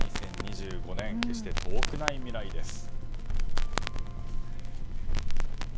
２０２５年決して遠くない未来です。